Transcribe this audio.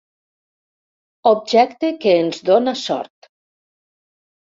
Objecte que ens dóna sort.